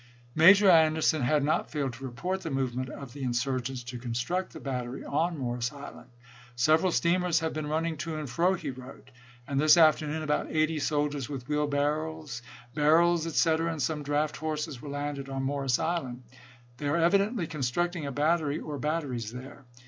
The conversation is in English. Major Anderson had not failed to report the movement of the insurgents to construct the bat tery on Morris Island. " Several steamers have been running to and fro," he wrote, " and this af ternoon about eighty soldiers with wheelbarrows, barrels, etc., and some draught horses were landed on Morris Island. They are evidently construct ing a battery or batteries there.